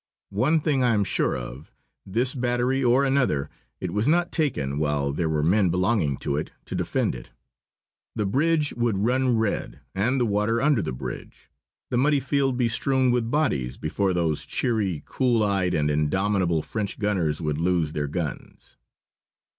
One thing I am sure of: This battery or another, it was not taken while there were men belonging to it to defend it. The bridge would run red and the water under the bridge, the muddy field be strewn with bodies, before those cheery, cool eyed and indomitable French gunners would lose their guns.